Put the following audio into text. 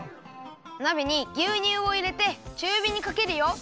なべにぎゅうにゅうをいれてちゅうびにかけるよ！